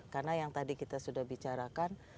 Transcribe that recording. karena yang tadi kita sudah bicarakan